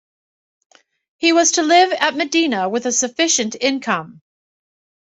He was to live at Medina with a sufficient income.